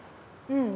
うん。